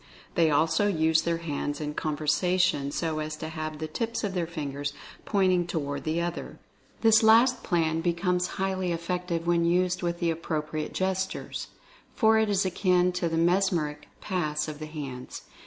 They also use their hands in con versation so as to have the tips of their fingers point ing toward the other. This last plan becomes highly effective when used with the appropriate gestures, for it is akin to the mesmeric "pass" of the hands.